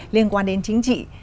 liên quan đến chính trị